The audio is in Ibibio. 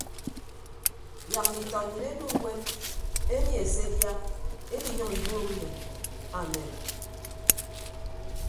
Yak nditọ nnyịn edu uwem enie se edia ediiyʌñ ibuuk nnyịn amen.